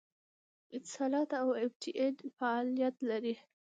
اتصالات او ایم ټي این فعالیت لري